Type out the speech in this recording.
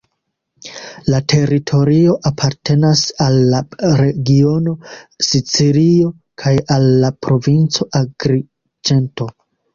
La teritorio apartenas al la regiono Sicilio kaj al la provinco Agriĝento.